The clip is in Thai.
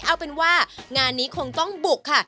เอาเป็นว่างานนี้คงต้องบุกค่ะ